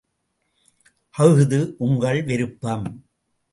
அஃது உங்கள் விருப்பம்!